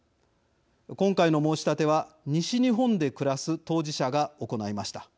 今回の申し立ては西日本で暮らす当事者が行いました。